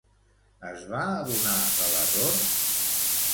Es va adonar de l'error?